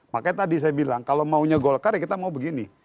makanya tadi saya bilang kalau maunya golkar ya kita mau begini